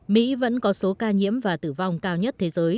mỹ vẫn có số ca nhiễm và tử vong cao nhất thế giới